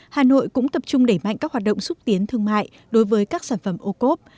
hà nội cũng tập trung đẩy mạnh các hoạt động xúc tiến thương mại đối với các sản phẩm ô cốp